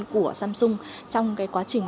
của samsung trong quá trình